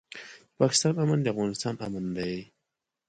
د پاکستان امن د افغانستان امن دی.